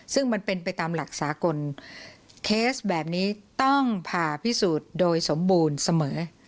ซึ่งมันเป็นไปตามหลักสากลเคสแบบนี้ต้องผ่าพิสูจน์โดยสมบูรณ์เสมอ